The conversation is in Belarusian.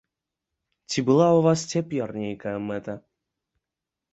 Ці была ў вас цяпер нейкая мэта?